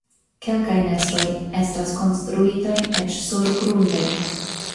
Kelkaj nestoj estas konstruitaj eĉ surgrunde.